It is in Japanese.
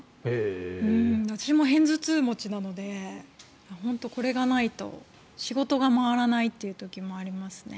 私も片頭痛持ちなので本当にこれがないと仕事が回らないという時もありますね。